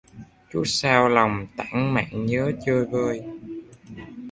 Chút xao lòng tản mạn nhớ chơi vơi